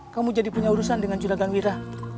kamu jadi punya urusan dengan curagan wira